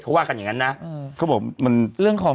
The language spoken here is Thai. เขาว่ากันอย่างนั้นนะ